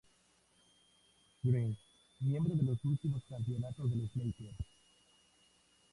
Green, miembro de los dos últimos campeonatos de los Lakers.